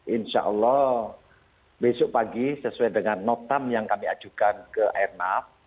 insya allah besok pagi sesuai dengan notam yang kami ajukan ke airnav